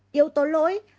yếu tố lỗi